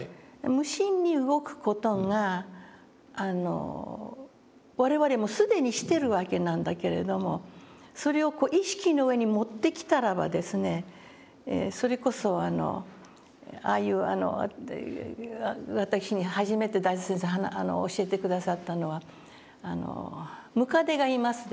無心に動く事が我々も既にしてるわけなんだけれどもそれをこう意識の上に持ってきたらばですねそれこそああいう私に初めて大拙先生教えて下さったのはムカデがいますでしょ。